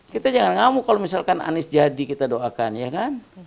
kita jangan ngamuk kalau misalkan anies jadi kita doakan ya kan